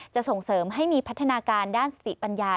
ส่งเสริมให้มีพัฒนาการด้านสติปัญญา